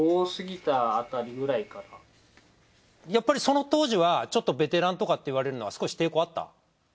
やっぱりその当時はちょっとベテランとかって言われるのは少し抵抗あった？